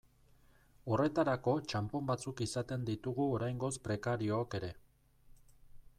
Horretarako txanpon batzuk izaten ditugu oraingoz prekariook ere.